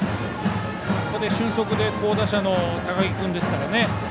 ここで俊足で好打者の高木君ですから。